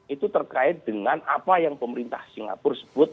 itu terkait dengan apa yang pemerintah singapura sebut